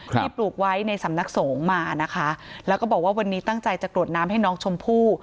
ปลูกไว้ในสำนักสงฆ์มานะคะแล้วก็บอกว่าวันนี้ตั้งใจจะกรวดน้ำให้น้องชมพู่